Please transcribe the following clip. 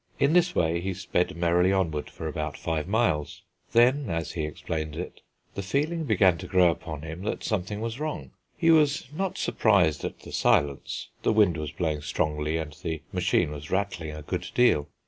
In this way he sped merrily onward for about five miles. Then, as he explains it, the feeling began to grow upon him that something was wrong. He was not surprised at the silence; the wind was blowing strongly, and the machine was rattling a good deal.